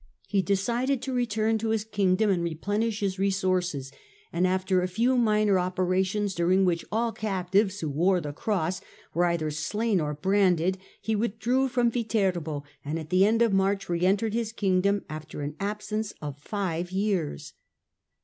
He decided to return to his Kingdom and replenish his resources, and after a few minor operations, during which all captives who wore the Cross were either slain or branded, he withdrew from Viterbo and at the end of March re entered his Kingdom after an absence of five years.